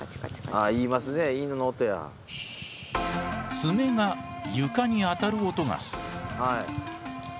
爪が床に当たる音がする。